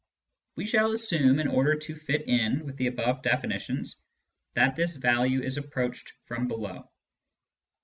We shall assume, in order to fit in with the above definitions, that this value is approached from below.